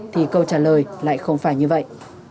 thì câu trả lời lại không phải như vậy